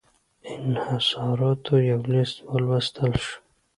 انحصاراتو یو لېست ولوستل شو.